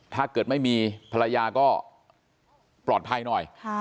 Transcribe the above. ถ้าเกิดไม่มีภรรยาก็ปลอดภัยหน่อย